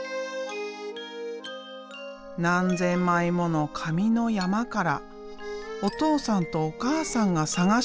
何千枚もの紙の山からお父さんとお母さんが探し出した。